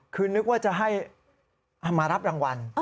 คือนึกว่าจะให้มารับรางวัล